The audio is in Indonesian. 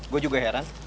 gue juga heran